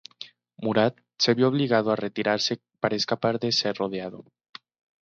Murat se vio obligado a retirarse para escapar de ser rodeado.